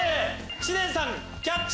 知念さんキャッチ！